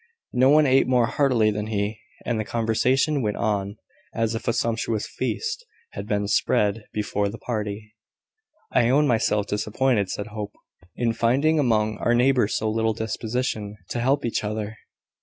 No one ate more heartily than he; and the conversation went on as if a sumptuous feast had been spread before the party. "I own myself disappointed," said Hope, "in finding among our neighbours so little disposition to help each other.